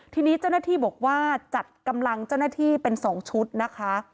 ทีนี้เจ้าหน้าที่บอกว่าจัดกำลังเจ้าหน้าที่เป็น๒ชุดนะคะ